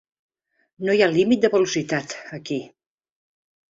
No hi ha límit de velocitat, aquí.